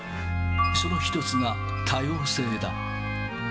その１つが多様性だ。